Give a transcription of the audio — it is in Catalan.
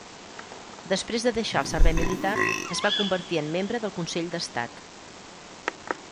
Després de deixar el servei militar es va convertir en membre del Consell d'Estat.